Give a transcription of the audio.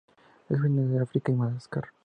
Es originario de África y Madagascar.